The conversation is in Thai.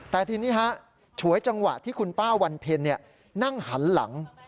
แต่ทีนี้ฉวยจังหวะที่คุณป้าวันเพ็ญนั่งหันหลัง